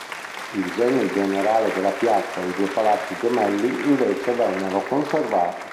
Il disegno generale della piazza e i due palazzi gemelli, invece, vennero conservati.